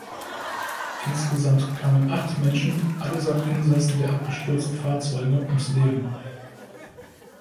Insgesamt kamen acht Menschen, allesamt Insassen der abgestürzten Fahrzeuge, ums Leben.